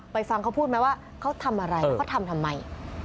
ฟังเขาพูดไหมว่าเขาทำอะไรแล้วเขาทำทำไม